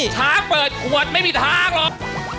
ช้างเปิดขวดไม่มีทางหรอก